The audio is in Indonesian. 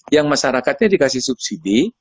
yang masyarakatnya dikasih subsidi